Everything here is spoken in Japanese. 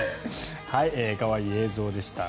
可愛い映像でした。